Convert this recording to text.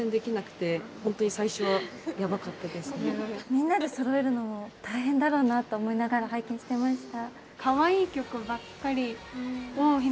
みんなでそろえるのも大変だろうなと思いながら拝見してました。